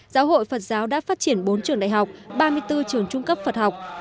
giáo hội phật giáo đã phát triển bốn trường đại học ba mươi bốn trường trung cấp phật học